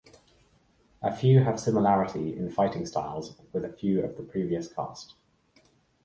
A few have similarity in fighting styles with a few of the previous cast.